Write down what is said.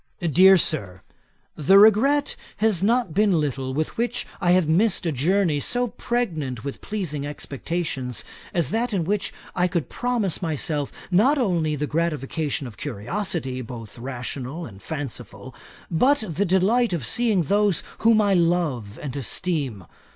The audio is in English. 'DEAR SIR, 'The regret has not been little with which I have missed a journey so pregnant with pleasing expectations, as that in which I could promise myself not only the gratification of curiosity, both rational and fanciful, but the delight of seeing those whom I love and esteem.